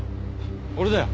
俺だよ。